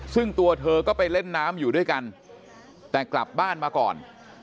ซึ่งตัวเธอก็ไปเล่นน้ำอยู่ด้วยกันแต่กลับบ้านมาก่อน